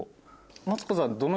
マツコさん。